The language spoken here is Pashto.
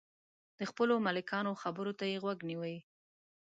د خپلو ملکانو خبرو ته یې غوږ نیوی.